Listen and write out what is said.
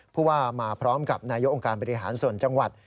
ผู้ว่ามาพร้อมกับนายกองค์การบริหารส่วนจังหวัด